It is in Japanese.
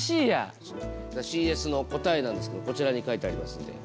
さあＣＳの答えなんですけどこちらに書いてありますんで。